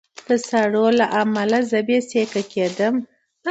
د ساړه له امله زه بې سېکه کېدم